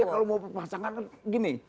ya kalau mau berpasangan gini